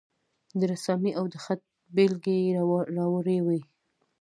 د رسامي او د خط بیلګې یې راوړې وې.